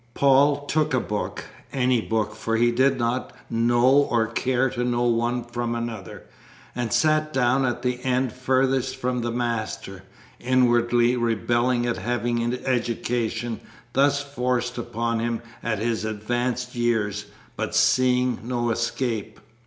Paul took a book any book, for he did not know or care to know one from another and sat down at the end furthest from the master, inwardly rebelling at having education thus forced upon him at his advanced years, but seeing no escape.